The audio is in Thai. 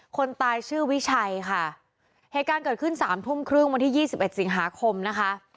คนตายชื่อวิชัยค่ะเหตุการณ์เกิดขึ้นสามทุ่มครึ่งวันที่ยี่สิบเอ็ดสิงหาคมนะคะ